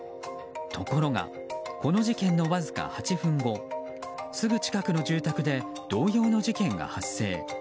ところがこの事件のわずか８分後すぐ近くの住宅で同様の事件が発生。